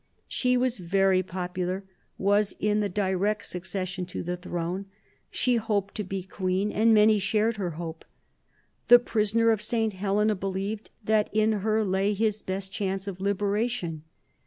She was very popular, was in the direct succession to the throne; she hoped to be queen, and many shared her hope. The prisoner of St. Helena believed that in her lay his best chance of liberation.